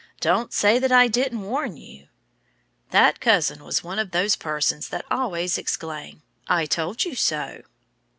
"Don't say that I didn't warn you!" That cousin was one of those persons that always exclaim, "I told you so!"